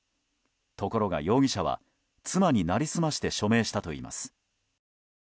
ところが、容疑者は妻に成り済まして署名したといいます。